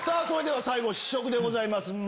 それでは最後試食でございます。